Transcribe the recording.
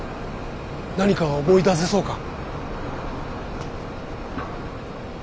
何か思い出せそうか？